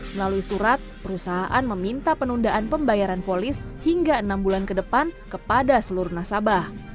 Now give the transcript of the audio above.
melalui surat perusahaan meminta penundaan pembayaran polis hingga enam bulan ke depan kepada seluruh nasabah